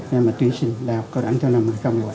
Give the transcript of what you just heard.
để mà tuyên sinh đại học cầu đẳng cho năm hai nghìn một mươi bảy